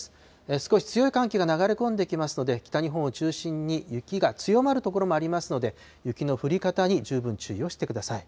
少し強い寒気が流れ込んできますので、北日本を中心に雪が強まる所もありますので、雪の降り方に十分注意をしてください。